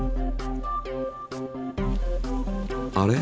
あれ？